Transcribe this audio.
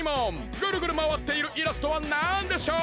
ぐるぐるまわっているイラストはなんでしょう？